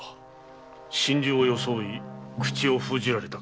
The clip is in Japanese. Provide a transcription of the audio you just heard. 心中を装い口を封じられたか。